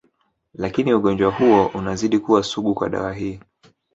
Lakini ugonjwa huo unazidi kuwa sugu kwa dawa hii